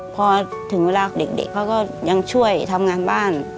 พอถึงเวลาเด็กเขาก็ยังช่วยทำงานบ้าน